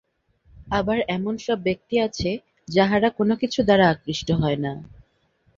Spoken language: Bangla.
আবার এমন সব ব্যক্তি আছে, যাহারা কোনকিছু দ্বারা আকৃষ্ট হয় না।